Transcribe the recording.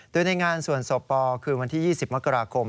โดยในงานส่วนศพปอคืนวันที่๒๐มกราคม